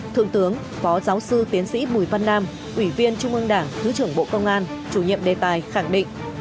thượng tướng phó giáo sư tiến sĩ bùi văn nam ủy viên trung ương đảng thứ trưởng bộ công an chủ nhiệm đề tài khẳng định